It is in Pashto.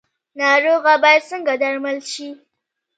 ناروغه باید څنګه درمل شي؟